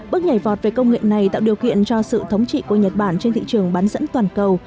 bước nhảy vọt về công nghệ này tạo điều kiện cho sự thống trị của nhật bản trên thị trường bán dẫn toàn cầu